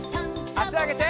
あしあげて。